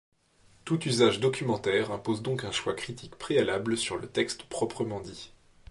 Tout usage documentaire impose donc un choix critique préalable sur le texte proprement dit.